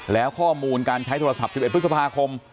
แล้วข้อมูลการใช้โทรศัพท์๑๑พฤษภาคม